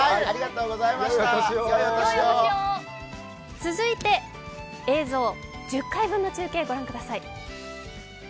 続いて映像１０回分の中継を御覧ください。